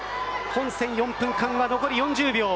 本戦４分間は残り４０秒。